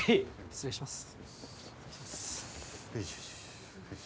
失礼します。